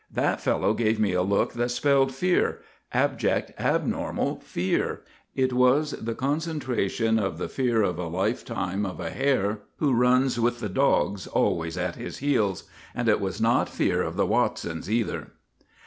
That fellow gave me a look that spelled fear; abject, abnormal fear; it was the concentration of the fear of a lifetime of a hare who runs with the dogs always at his heels. And it was not fear of the Watsons either."